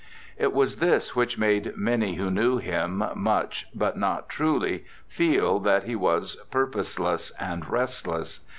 It was this which made many who knew him much, but not truly, feel that he was purposeless and restless.